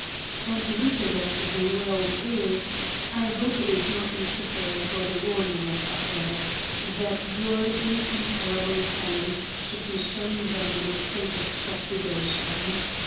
And wicked as the World is, I hope it is not necessary for the warning of others — that Y t our incomparable Talents should be shown them in a state of subjugation.